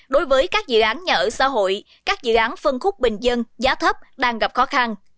đối với các dự án nhà ở xã hội các dự án phân khúc bình dân giá thấp đang gặp khó khăn